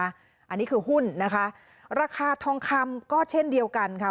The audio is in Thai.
อันนี้คือหุ้นนะคะราคาทองคำก็เช่นเดียวกันค่ะ